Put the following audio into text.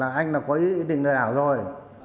anh là có ý định lừa đảo rồi